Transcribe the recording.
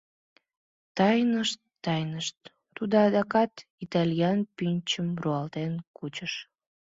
Тайнышт-тайнышт, тудо адакат итальян пӱнчым руалтен кучыш.